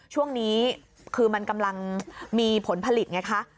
ช่วงนี้คือมันกำลังมีผลผลิตไงคะ